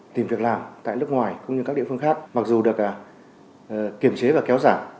tìm việc làm tại nước ngoài cũng như các địa phương khác mặc dù được kiểm chế và kéo giảm